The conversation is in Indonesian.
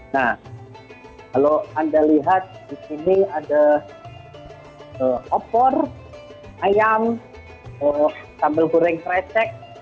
nah kalau anda lihat di sini ada opor ayam sambal goreng krecek